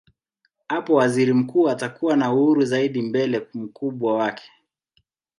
Hapo waziri mkuu atakuwa na uhuru zaidi mbele mkubwa wake.